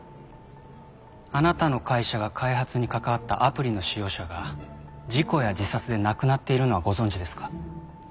あなたの会社が開発に関わったアプリの使用者が事故や自殺で亡くなっているのはご存じですか？